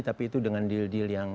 tapi itu dengan deal deal yang